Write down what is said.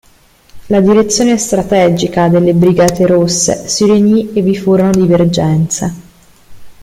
La direzione strategica delle Brigate Rosse si riunì e vi furono divergenze.